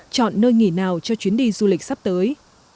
chọn nơi nghỉ nào cho chuyến đi du lịch sắp tới